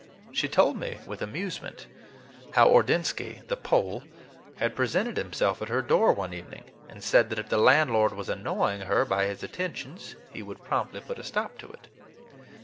She told me with amusement how Ordinsky, the Pole, had presented himself at her door one evening, and said that if the landlord was annoying her by his attentions, he would promptly put a stop to it.